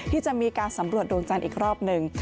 ที่จะมีการสำรวจดวงจันทร์อีกรอบหนึ่ง